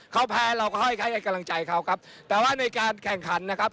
เขาแพ้เราก็ค่อยให้กำลังใจเขาครับแต่ว่าในการแข่งขันนะครับ